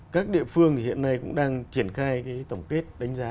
các địa phương thì hiện nay cũng đang triển khai cái tổng kết đánh giá